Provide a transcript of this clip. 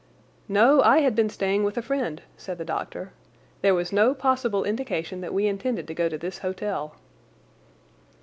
"No, I had been staying with a friend," said the doctor. "There was no possible indication that we intended to go to this hotel."